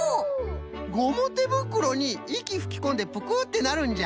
ゴムてぶくろにいきふきこんでプクッてなるんじゃ。